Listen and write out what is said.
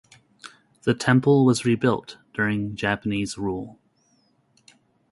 The temple was rebuilt during Japanese rule.